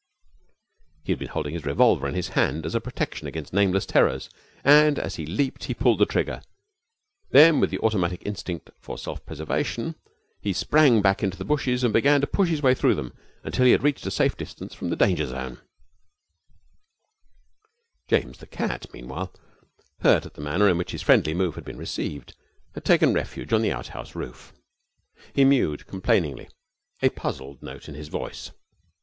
He had been holding his revolver in his hand as a protection against nameless terrors, and as he leaped he pulled the trigger. Then with the automatic instinct for self preservation, he sprang back into the bushes, and began to push his way through them until he had reached a safe distance from the danger zone. James, the cat, meanwhile, hurt at the manner in which his friendly move had been received, had taken refuge on the outhouse roof. He mewed complainingly, a puzzled note in his voice.